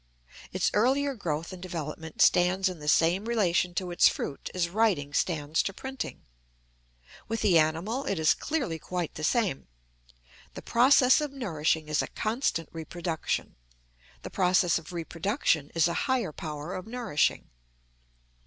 Its earlier growth and development stands in the same relation to its fruit as writing stands to printing. With the animal it is clearly quite the same. The process of nourishing is a constant reproduction; the process of reproduction is a higher power of nourishing.